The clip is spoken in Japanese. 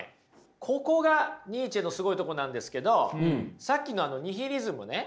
ここがニーチェのすごいとこなんですけどさっきのニヒリズムね